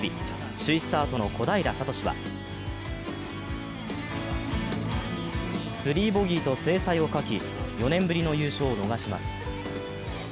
首位スタートの小平智は、３ボギーと精彩を欠き４年ぶりの優勝を逃します。